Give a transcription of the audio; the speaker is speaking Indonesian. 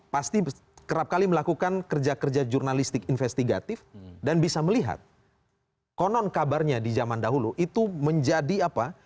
pasti kerap kali melakukan kerja kerja jurnalistik investigatif dan bisa melihat konon kabarnya di zaman dahulu itu menjadi apa